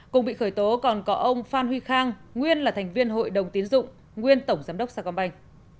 cùng bị khởi tố còn có ông phan huy khang nguyên là thành viên hội đồng tín dụng nguyên tổng giám đốc sa công banh